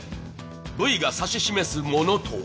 Ｖが指し示すものとは？